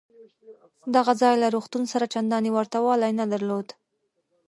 دغه ځای له روغتون سره چندانې ورته والی نه درلود.